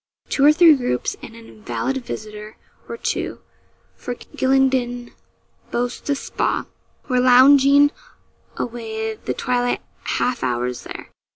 Two or three groups, and an invalid visitor or two for Gylingden boasts a 'spa' were lounging away the twilight half hours there.